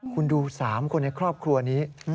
คุณดู๓คนในครอบครัวนี้